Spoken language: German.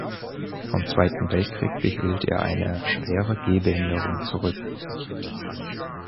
Vom Zweiten Weltkrieg behielt er eine schwere Gehbehinderung zurück.